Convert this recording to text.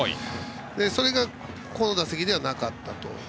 それがこの打席ではなかったと。